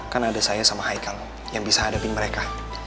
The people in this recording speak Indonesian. kan ada saya sama haikal yang bisa hadapin mereka